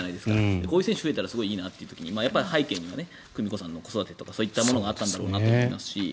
こういう選手が増えたらすごいいいなという時に背景には久美子さんの子育てとかそういったものがあったんだろうと思いますし